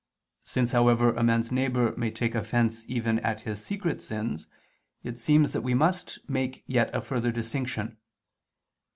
Since, however, a man's neighbor may take offense even at his secret sins, it seems that we must make yet a further distinction.